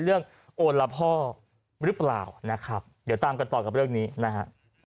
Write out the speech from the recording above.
โอละพ่อหรือเปล่านะครับเดี๋ยวตามกันต่อกับเรื่องนี้นะฮะ